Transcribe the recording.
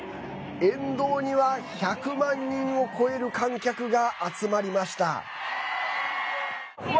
沿道には１００万人を超える観客が集まりました。